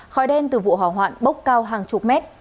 khói đen từ vụ hỏa hoạn bốc cao hàng chục mét